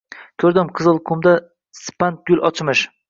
Ko‘rdim, Qizilhumdan sipand gul ochmish